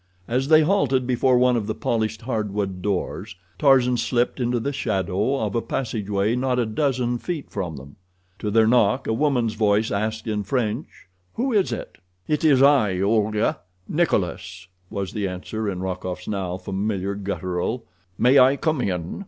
As they halted before one of the polished hardwood doors, Tarzan slipped into the shadow of a passageway not a dozen feet from them. To their knock a woman's voice asked in French: "Who is it?" "It is I, Olga—Nikolas," was the answer, in Rokoff's now familiar guttural. "May I come in?"